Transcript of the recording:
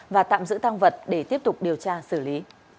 và tạm giữ tăng vật để tiếp tục điều tra xử lý